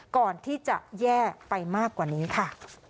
ก่อนที่จะแย่ไปมากกว่านี้ค่ะ